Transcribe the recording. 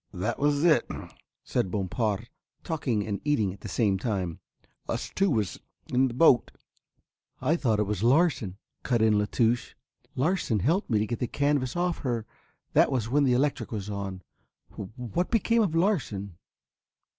"That was it," said Bompard, talking and eating at the same time, "us two was in the boat." "I thought it was Larsen," cut in La Touche. "Larsen helped me to get the canvas off her, that was when the electric was on what became of Larsen?"